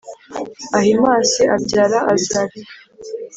Ahimasi abyara Azariya